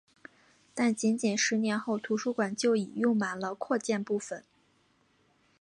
但仅仅十年后图书馆就已用满了扩建部分。